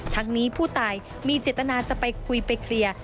ทั้งนี้ผู้ตายมีเจตนาจะไปคุยไปเคลียร์